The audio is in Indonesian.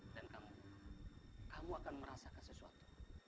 dan kamu kamu akan merasakan sesuatu